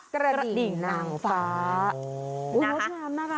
กระดิ่งนางฟ้า